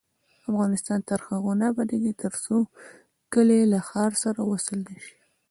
افغانستان تر هغو نه ابادیږي، ترڅو کلي له ښار سره وصل نشي.